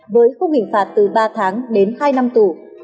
với khung hình phạt từ ba tháng đến hai năm tù